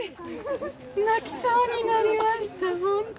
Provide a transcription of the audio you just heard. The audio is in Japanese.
泣きそうになりました、本当。